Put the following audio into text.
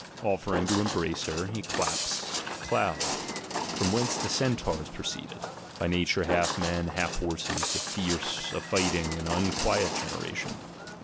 Offering to embrace her, he clasped a cloud ; from whence the Centaurs proceeded, by nature half men, half horses, a fierce, a fighting, and unquiet generation.